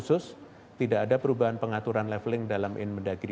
dan tidak ada perubahan pengaturan leveling dalam inmen dagri